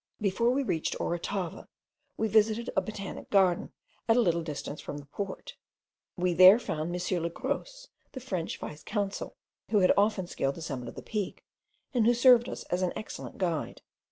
Before we reached Orotava, we visited a botanic garden at a little distance from the port. We there found M. Le Gros, the French vice consul, who had often scaled the summit of the Peak, and who served us as an excellent guide.